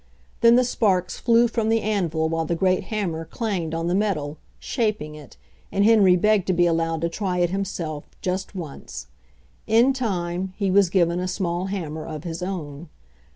Then the sparks flew from the anvil while the great hammer clanged on the metal, shaping it, and Henry begged to be al lowed to try it himself> just once. In time he was given a small hammer of his own.